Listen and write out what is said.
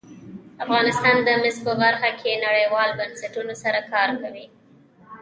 افغانستان د مس په برخه کې نړیوالو بنسټونو سره کار کوي.